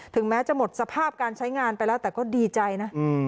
แม้จะหมดสภาพการใช้งานไปแล้วแต่ก็ดีใจนะ